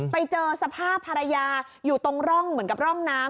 ไปเจอสภาพภรรยาอยู่ตรงร่องเหมือนกับร่องน้ำ